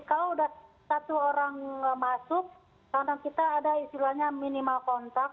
kalau sudah satu orang masuk kadang kadang kita ada istilahnya minimal kontak